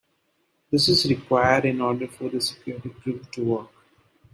This is required in order for the security proof to work.